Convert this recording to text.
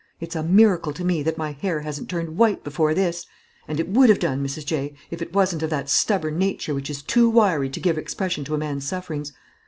It's a miracle to me that my hair hasn't turned white before this; and it would have done it, Mrs. J., if it wasn't of that stubborn nature which is too wiry to give expression to a man's sufferings.